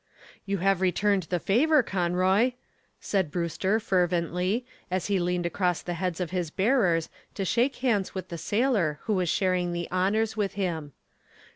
"You have returned the favor, Conroy," said Brewster fervently, as he leaned across the heads of his bearers to shake hands with the sailor who was sharing the honors with him.